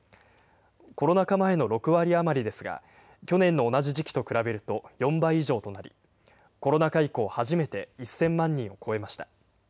コロナ禍前の６割余りですが、去年の同じ時期と比べると４倍以上となり、コロナ禍以降、初めて１０００万人を超えました。